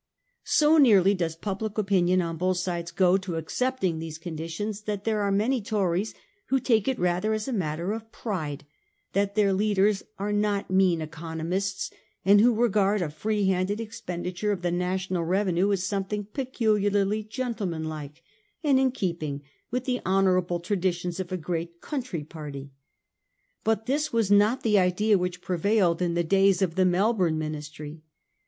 So nearly does public opinion on both sides go to accepting these conditions, that there are many Tories who take it rather as a matter of pride that their leaders are not mean economists, and who regard a free handed expenditure of the national revenue as something peculiarly gentlemanlike and in keeping with the honourable traditions of a great country party. But this was not the idea which pre vailed in the days of the Melbourne Ministry.